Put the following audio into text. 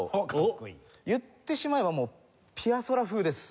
言ってしまえばもうピアソラ風です。